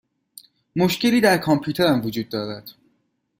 مشکلی در کامپیوترم وجود دارد.